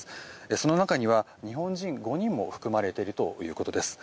その中には、日本人５人も含まれているということです。